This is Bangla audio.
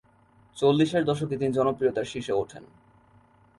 চল্লিশের দশকে তিনি জনপ্রিয়তার শীর্ষে ওঠেন।